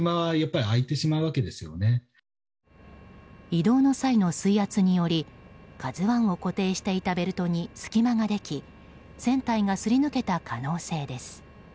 移動の際の水圧により「ＫＡＺＵ１」を固定していたベルトに隙間ができ船体がすり抜けた可能性です。